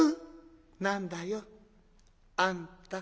「何だよあんた」。